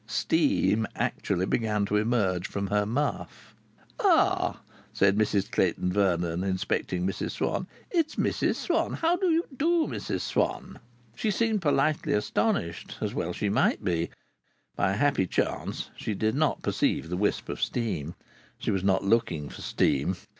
Steam actually began to emerge from her muff. "Ah!" said Mrs Clayton Vernon, inspecting Mrs Swann. "It's Mrs Swann! How do you do, Mrs Swann?" She seemed politely astonished, as well she might be. By a happy chance she did not perceive the wisp of steam. She was not looking for steam.